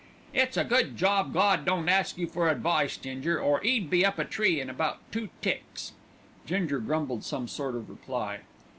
"It's a good job Gawd don't ask you for advice, Ginger, or 'E'd be up a tree in about two ticks." Ginger grumbled some sort of reply.